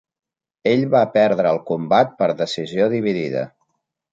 Ell va perdre el combat per decisió dividida.